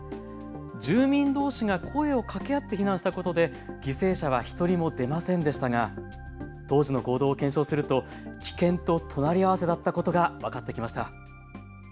住民どうしが声をかけ合って避難したことで犠牲者は１人も出ませんでしたが、当時の行動を検証すると危険と隣り合わせだったことが分かってきました。